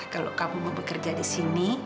kalo kamu mau bekerja disini